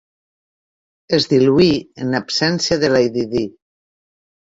Es diluí en absència de Lady Di.